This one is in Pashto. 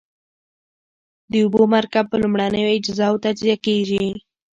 د اوبو مرکب په لومړنیو اجزاوو تجزیه کیږي.